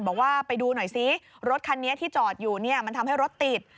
บอกว่าไปดูหน่อยซิรถคันนี้ที่จอดอยู่เนี่ยมันทำให้รถติด